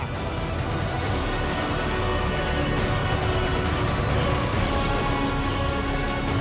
มันคิดว่าเคยออกมา